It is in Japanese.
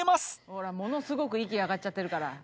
ほらものすごく息上がっちゃってるから。